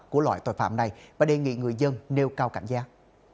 của loại tội phạm này và đề nghị người dân nêu cao cảnh giác